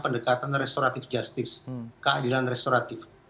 pendekatan restoratif justice keadilan restoratif